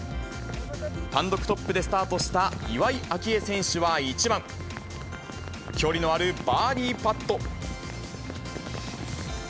単独トップでスタートした岩井明愛選手は１番、距離のあるバーディーパット。